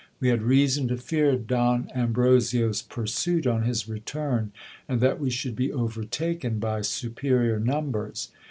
We had reason to fear Don Ambrosio's pursuit on his return, and that we should be overtaken by superior numbers.